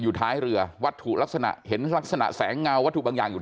ท้ายเรือวัตถุลักษณะเห็นลักษณะแสงเงาวัตถุบางอย่างอยู่